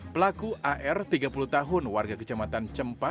pelaku ar tiga puluh tahun warga kecamatan cempaka